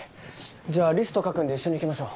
じゃあリスト書くんで一緒に行きましょう。